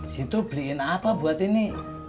situ beliin apa buat ini